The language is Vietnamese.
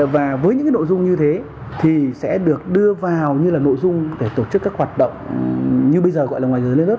và với những nội dung như thế thì sẽ được đưa vào như là nội dung để tổ chức các hoạt động như bây giờ gọi là ngoài giới lên lớp